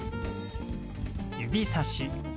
指さし。